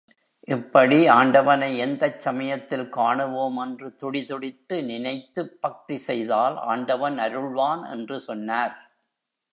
இப்படி ஆண்டவனை எந்தச் சமயத்தில் காணுவோம் என்று துடிதுடித்து நினைத்துப் பக்தி செய்தால் ஆண்டவன் அருள்வான் என்று சொன்னார்.